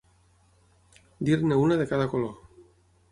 Dir-ne una de cada color.